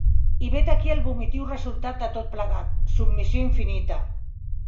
I vet aquí el vomitiu resultat de tot plegat: submissió infinita.